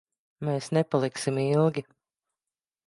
Mēs nepaliksim ilgi.